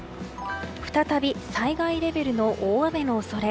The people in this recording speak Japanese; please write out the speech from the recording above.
再び災害レベルの大雨の恐れ。